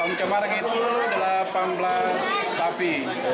tahun kemarin itu delapan belas sapi